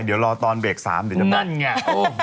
เดี๋ยวรอตอนเบรก๓เดี๋ยวจะบอกโอ้โฮนั่นไง